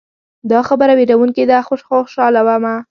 دا خبره ویروونکې ده خو خوشحاله ومه.